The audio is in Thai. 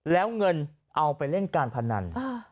แล้วเงินเอาไปเล่นการพนัน